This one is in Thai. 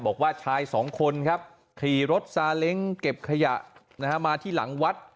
บอกว่าชายสองคนครับขี่รถซาเล้งเก็บขยะมาที่หลังวัด